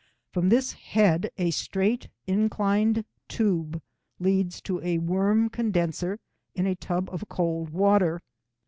From this head a straight, inclined tube leads to a worm condenser in a tub of cold water.